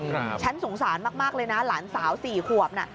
ฉันสงสารมากเลยนะหลานสาวสี่ขวบน่ะ